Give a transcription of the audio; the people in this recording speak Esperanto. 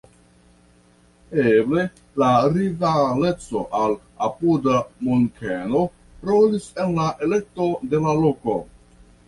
Eble la rivaleco al apuda Munkeno rolis en la elekto de la loko.